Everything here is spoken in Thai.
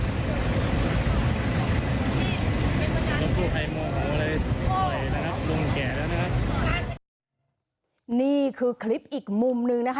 วงแก่แล้วนะครับนี่คือคลิปอีกมุมหนึ่งนะคะ